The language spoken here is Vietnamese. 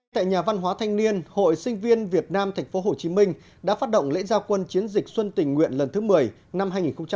tại nhà văn hóa thanh niên hội sinh viên việt nam tp hcm đã phát động lễ gia quân chiến dịch xuân tình nguyện lần thứ một mươi năm hai nghìn hai mươi